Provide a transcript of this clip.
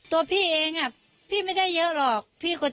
ตัวพี่เองพี่ไม่ได้เยอะหรอก